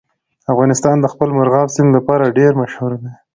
افغانستان د خپل مورغاب سیند لپاره ډېر مشهور دی.